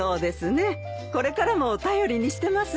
これからも頼りにしてますよお父さん。